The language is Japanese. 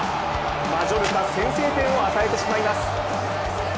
マジョルカ先制点を与えてしまいます。